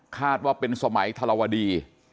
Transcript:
คาดว่าเป็นสมัยธรวดี